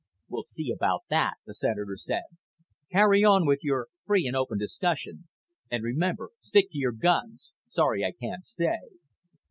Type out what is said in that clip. "We'll see about that," the Senator said. "Carry on with your free and open discussion. And remember, stick to your guns. Sorry I can't stay."